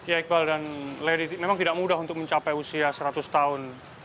ya iqbal dan lady memang tidak mudah untuk mencapai usia seratus tahun